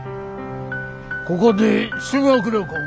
ここで修学旅行。